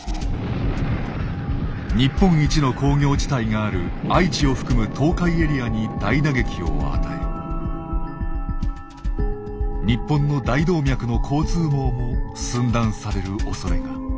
日本一の工業地帯がある愛知を含む東海エリアに大打撃を与え日本の大動脈の交通網も寸断されるおそれが。